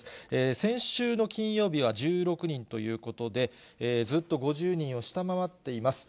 先週の金曜日は１６人ということで、ずっと５０人を下回っています。